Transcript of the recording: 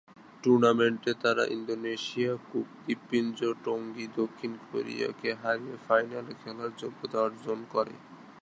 টুর্নামেন্টে তারা Indonesia, Cook দ্বীপপুঞ্জ, টোঙ্গা, দক্ষিণ কোরিয়া কে হারিয়ে ফাইনালে খেলার যোগ্যতা অর্জন করে।